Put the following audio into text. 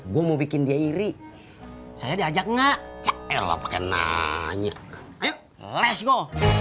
gua mau bikin dia iri saya diajak nggak ya elah pake nanya ayo let's go